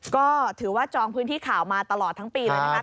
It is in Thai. ก็ถือว่าจองพื้นที่ข่าวมาตลอดทั้งปีเลยนะคะ